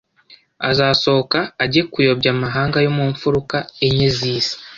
Azasohoka ajye kuyobya amahanga yo mu mfuruka enye z’isi